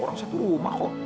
orang satu rumah kok